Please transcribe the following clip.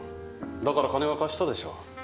だから金は貸したでしょ。